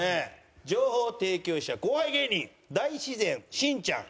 情報提供者後輩芸人大自然しんちゃん。